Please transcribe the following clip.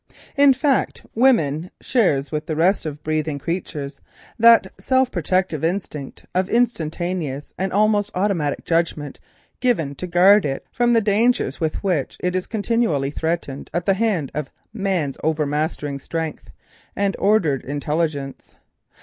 In fact, they share with the rest of breathing creation that self protective instinct of instantaneous and almost automatic judgment, given to guard it from the dangers with which it is continually threatened at the hands of man's over mastering strength and ordered intelligence.